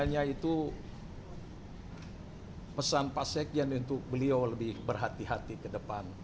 makanya itu pesan pak sekjen untuk beliau lebih berhati hati ke depan